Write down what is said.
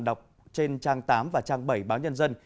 đọc trên trang tám và trang bảy báo nhân dân